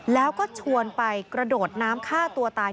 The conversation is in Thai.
แล้วก็ชวนไปกระโดดน้ำฆ่าตัวตาย